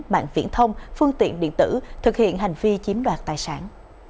mạng viễn thông phương tiện điện tử thực hiện hành vi chiếm đoạt tài sản